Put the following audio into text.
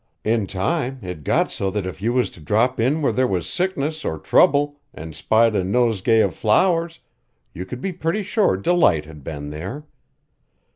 In time it got so that if you was to drop in where there was sickness or trouble an' spied a nosegay of flowers, you could be pretty sure Delight had been there.